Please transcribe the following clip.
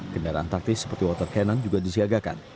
kendaraan taktis seperti water cannon juga disiagakan